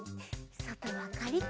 そとはカリッと。